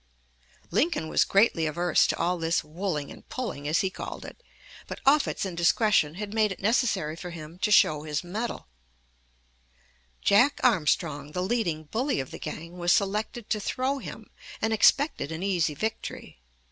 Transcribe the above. Lincoln was greatly averse to all this "wooling and pulling," as he called it. But Offutt's indiscretion had made it necessary for him to show his mettle. Jack Armstrong, the leading bully of the gang, was selected to throw him, and expected an easy victory.